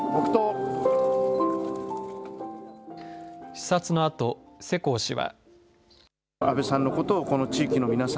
視察のあと世耕氏は。